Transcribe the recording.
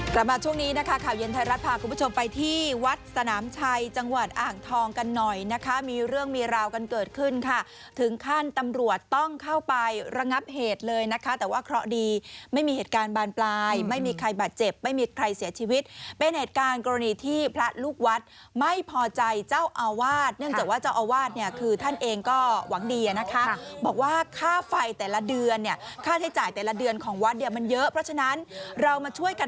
กลับมาช่วงนี้นะคะข่าวเย็นไทยรัฐพาคุณผู้ชมไปที่วัดสนามชัยจังหวัดอ่างทองกันหน่อยนะคะมีเรื่องมีราวกันเกิดขึ้นค่ะถึงขั้นตำรวจต้องเข้าไประงับเหตุเลยนะคะแต่ว่าเคราะดีไม่มีเหตุการณ์บานปลายไม่มีใครบาดเจ็บไม่มีใครเสียชีวิตเป็นเหตุการณีที่พระลูกวัดไม่พอใจเจ้าอาวาสเนื่องจากว่าเจ้าอาวา